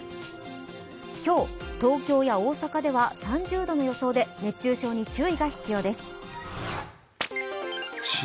今日、東京や大阪では３０度の予想で熱中症に注意が必要です。